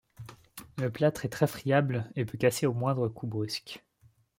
Le plâtre est très friable et peut casser au moindre coup brusque.